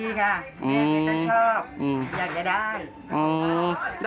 ดีค่ะนี่ก็ชอบอยากจะได้